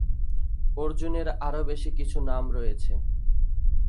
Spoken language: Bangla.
অর্জুন এর আরো বেশ কিছু নাম রয়েছে।